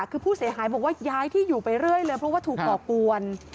คือผู้เสียหายบอกว่าย้ายที่อยู่ไปเรื่อยเลยเพราะว่าถูกก่อกวน